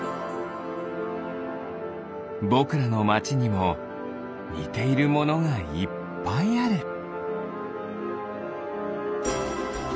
ぼくらのまちにもにているものがいっぱいある。